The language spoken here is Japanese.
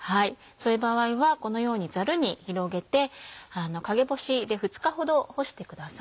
そういう場合はこのようにザルに広げて陰干しで２日ほど干してください。